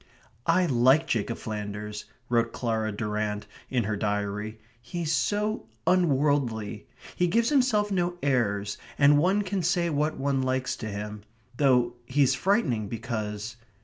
"I like Jacob Flanders," wrote Clara Durrant in her diary. "He is so unworldly. He gives himself no airs, and one can say what one likes to him, though he's frightening because